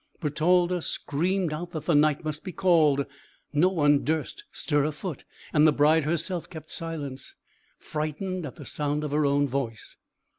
Bertalda screamed out that the Knight must be called; no one durst stir a foot, and the bride herself kept silence, frightened at the sound of her own voice.